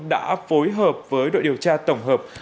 đã phối hợp với đội điều tra tổng hợp